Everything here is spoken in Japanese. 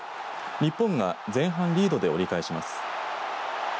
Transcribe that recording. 日本が前半リードで折り返します。